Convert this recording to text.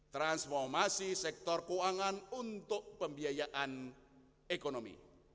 transformasi sektor keuangan untuk pembiayaan ekonomi